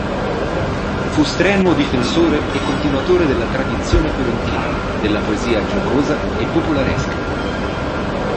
Fu strenuo difensore e continuatore della tradizione fiorentina della poesia giocosa e popolaresca.